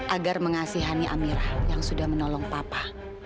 agar mengasihannya amira yang sudah menolong papa